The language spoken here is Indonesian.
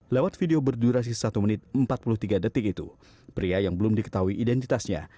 lewat video berdurasi satu menit empat puluh tiga detik itu pria yang belum diketahui identitasnya